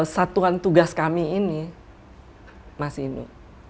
satuan tugas kami ini mas inu